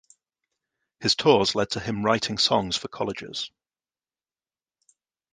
His tours led to him writing songs for colleges.